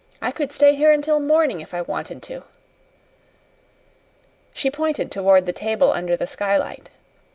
I could stay here until morning if I wanted to." She pointed toward the table under the skylight.